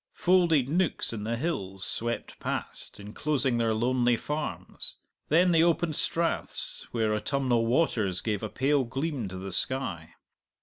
Folded nooks in the hills swept past, enclosing their lonely farms; then the open straths, where autumnal waters gave a pale gleam to the sky.